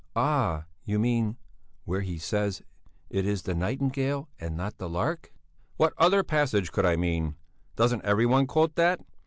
"Ah! You mean where he says, 'It is the nightingale and not the lark'...." "What other passage could I mean? Doesn't every one quote that?